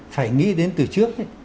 phải nghĩ đến từ trước